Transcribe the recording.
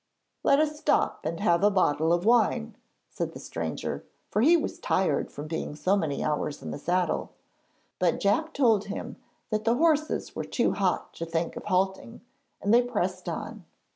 'Let us stop and have a bottle of wine,' said the stranger, for he was tired from being so many hours in the saddle; but Jack told him that the horses were too hot to think of halting, and they pressed on.